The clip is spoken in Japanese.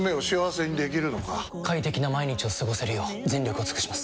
快適な毎日を過ごせるよう全力を尽くします！